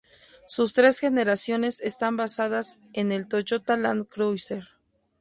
Sus tres generaciones están basadas en el Toyota Land Cruiser.